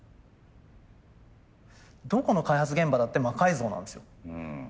どこの開発現場だって魔改造なんですよ。